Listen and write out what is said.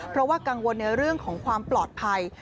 เพราะว่ากังวลในเรื่องของความปลอดภัย